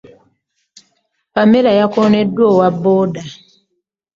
Pamela yakonebwa owa booda.